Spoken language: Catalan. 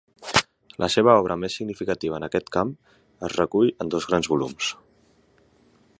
La seva obra més significativa en aquest camp es recull en dos grans volums.